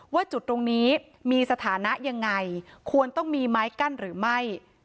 ว่าจุดตรงนี้มีสถานะยังไงควรต้องมีไม้กั้นหรือไม่